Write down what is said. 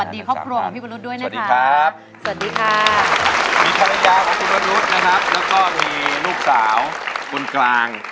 แล้วก็มีลูกสาวบนกลาง